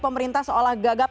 pemerintah seolah gagap